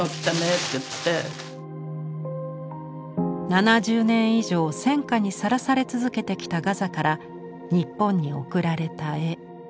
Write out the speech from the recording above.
７０年以上戦禍にさらされ続けてきたガザから日本に送られた絵。